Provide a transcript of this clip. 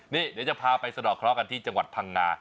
นี่เดี๋ยวจะพาไปสะดอกเคราะห์กันที่จังหวัดพังงา